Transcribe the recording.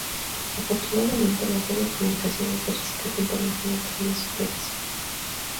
Afortunadamente, la red de comunicaciones de Rescate Internacional todavía es operacional.